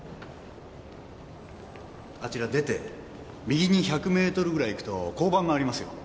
あちら出て右に１００ｍぐらい行くと交番がありますよ。